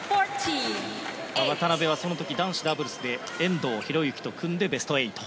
渡辺はその時、男子ダブルスで遠藤大由と組んでベスト８。